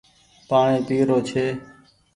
پآڻيٚ پي رو ڇي۔